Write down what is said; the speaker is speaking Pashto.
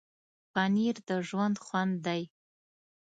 پنېر د ژوند خوند دی.